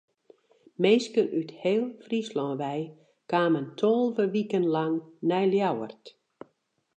Minsken út heel Fryslân wei kamen tolve wiken lang nei Ljouwert.